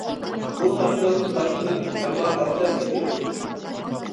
بۇ تاشلىق، تاشسىز، ئەمما ئەستەرلىك كېلىدۇ.